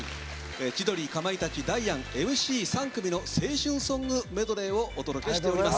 千鳥、かまいたち、ダイアンＭＣ３組の青春ソングメドレーをお届けしています。